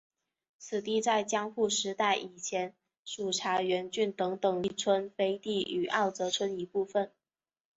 此地在江户时代以前属荏原郡等等力村飞地与奥泽村一部分。